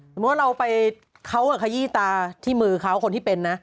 สมมุติเราไปเขาขยี้ตาที่มือเขาคนที่เป็นนะ